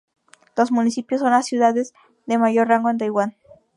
Los municipios son las ciudades de mayor rango en Taiwán.